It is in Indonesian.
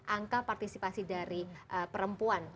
angka partisipasi dari perempuan